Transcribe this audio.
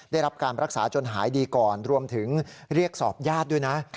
ได้รับการรักษาจนหายดีก่อนรวมถึงเรียกสอบญาติด้วยนะ